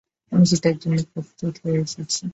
আমি সেটার জন্য প্রস্তুত হয়ে এসেছি।